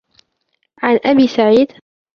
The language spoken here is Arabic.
عَنْ أَبِي سَعِيدٍ